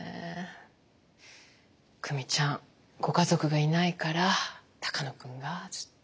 久美ちゃんご家族がいないから鷹野君がずっと。